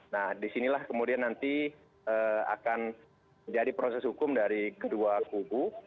nah disinilah kemudian nanti akan jadi proses hukum dari kedua kubu